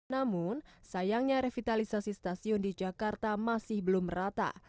namun sayangnya revitalisasi stasiun di jakarta masih belum rata